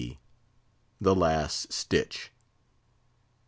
THE LAST STITCH.